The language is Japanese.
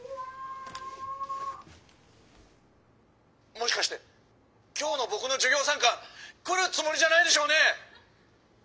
「もしかして今日の僕の授業参観来るつもりじゃないでしょうね？」。